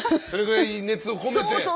それぐらい熱を込めて。